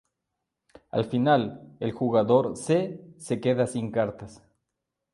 Al final, el jugador C se queda sin cartas.